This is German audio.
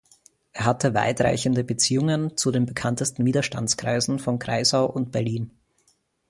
Er hatte weitreichende Beziehungen zu den bekanntesten Widerstandskreisen von Kreisau und Berlin.